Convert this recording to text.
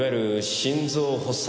心臓発作？